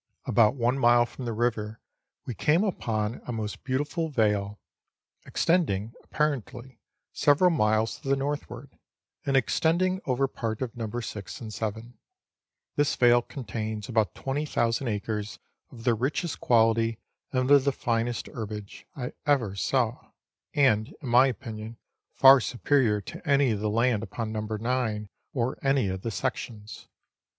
About one mile from the river we came upon a most beautiful vale, extending, apparently, several miles to the northward, and extending over part of No. 6 and 7. This vale contains about 20,000 acres of the richest quality and of the finest herbage I ever saw, and, in my opinion, far superior to any of the land upon No. 9 or any of the sections.